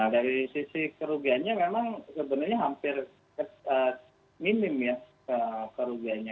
dari sisi kerugiannya memang sebenarnya hampir minim ya kerugiannya